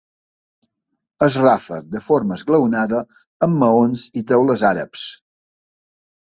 El ràfec de forma esglaonada amb maons i teules àrabs.